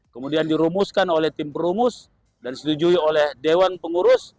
kemudian dirumuskan oleh tim perumus dan disetujui oleh dewan pengurus